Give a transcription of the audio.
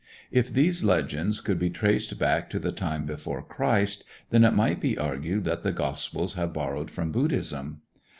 If these legends could be traced back to the time before Christ, then it might be argued that the Gospels have borrowed from Buddhism.